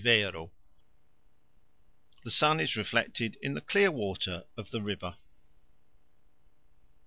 The sun is reflected in the clear water of the river.